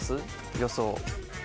予想。